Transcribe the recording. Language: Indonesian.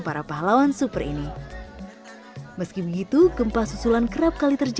para pahlawan super ini meski begitu gempa susulan kerap kali terjadi